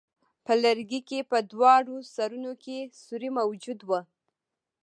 په لرګي کې په دواړو سرونو کې سوری موجود وو.